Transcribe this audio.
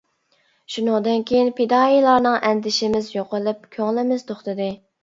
شۇنىڭدىن كېيىن پىدائىيلارنىڭ ئەندىشىمىز يوقىلىپ، كۆڭلىمىز توختىدى.